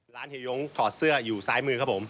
เฮียยงถอดเสื้ออยู่ซ้ายมือครับผม